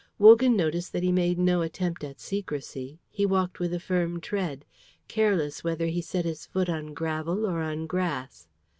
Wogan noticed that he made no attempt at secrecy; he walked with a firm tread, careless whether he set his foot on gravel or on grass.